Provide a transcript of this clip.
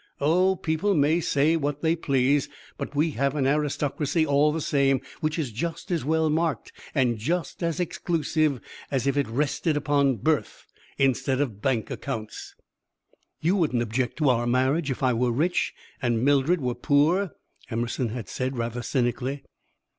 Oh! people may say what they please, but we have an aristocracy all the same which is just as well marked and just as exclusive as if it rested upon birth instead of bank accounts." "You wouldn't object to our marriage if I were rich and Mildred were poor," Emerson had said, rather cynically.